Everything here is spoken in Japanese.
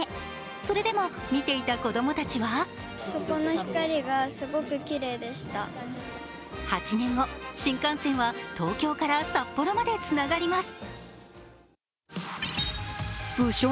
それでも、見ていた子供たちは８年後、新幹線は東京から札幌までつながります。